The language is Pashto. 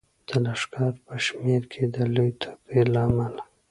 د لښکر په شمیر کې د لوی توپیر له امله.